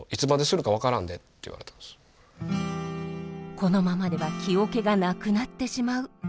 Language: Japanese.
このままでは木桶がなくなってしまう。